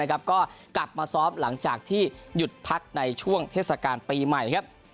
ก็กลับมาซ้อมหลังจากที่หยุดพักในช่วงเทศกาลปีใหม่ครับ